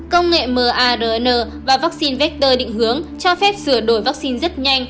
công nghệ marn và vaccine vector định hướng cho phép sửa đổi vaccine rất nhanh